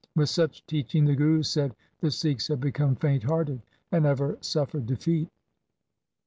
With such teaching, the Guru said, the Sikhs had become faint hearted and ever suffered defeat.